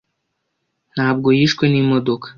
Ntabwo yishwe n'imodoka?